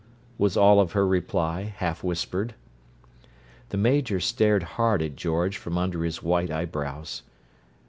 was all of her reply, half whispered. The Major stared hard at George from under his white eyebrows.